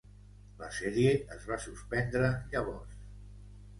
La sèrie es va suspendre llavors.